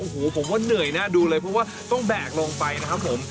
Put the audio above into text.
โอ้โหผมว่าเหนื่อยนะดูเลยเพราะว่าต้องแบกลงไปนะครับผม